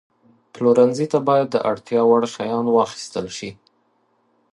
پلورنځي ته باید د اړتیا وړ شیان واخیستل شي.